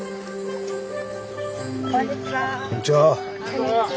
こんにちは。